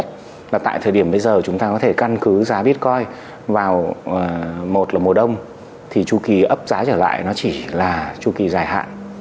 thì tru kỳ ấp giá trở lại nó chỉ là tru kỳ dài hạn